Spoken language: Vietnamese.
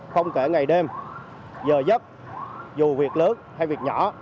không kể ngày đêm giờ dấp dù việc lớn hay việc nhỏ